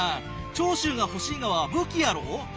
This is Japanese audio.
長州が欲しいがは武器やろお？